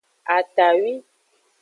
Atawi.